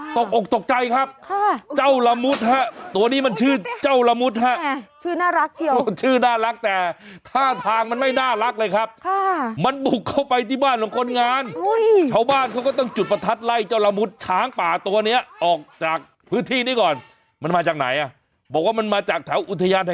ตกตกใจครับค่ะเจ้าละมุดฮะตัวนี้มันชื่อเจ้าละมุดฮะ